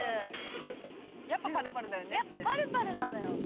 やっぱパルパルなのよ。